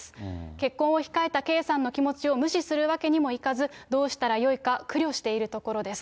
結婚を控えた圭さんの気持ちを無視するわけにもいかず、どうしたらよいか苦慮しているところです。